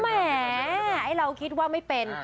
แหมไอ้เราคิดว่าไม่เป็น